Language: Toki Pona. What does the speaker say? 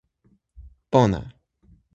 pona!